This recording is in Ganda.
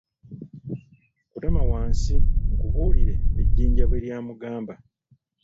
Kutama wansi, nkubulire, ejinja bwe ly'amugamba.